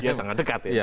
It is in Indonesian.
iya sangat dekat